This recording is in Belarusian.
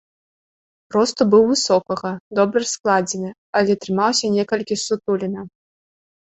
Росту быў высокага, добра складзены, але трымаўся некалькі ссутулена.